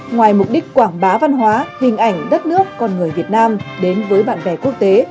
ngoài mục đích quảng bá văn hóa hình ảnh đất nước con người việt nam đến với bạn bè quốc tế